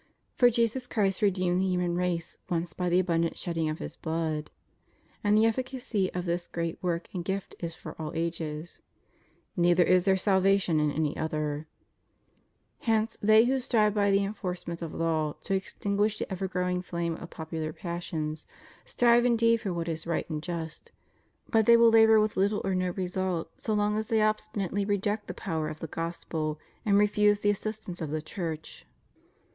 For Jesus Christ redeemed the human race once by the abundant shedding of His blood ; and the efficacy of this great work and gift is for all ages: Neither is there salvation in any other} Hence they who strive by the enforcement of law to extinguish the ever growing flame of popular passions, strive indeed for what is right and just; but they will labor with little or no result so long as they obstinately reject the power of the Gospel and refuse the assistance of the Church.